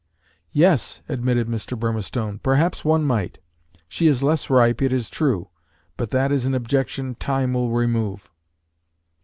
"Yes," admitted Mr. Burmistone; "perhaps one might. She is less ripe, it is true; but that is an objection time will remove."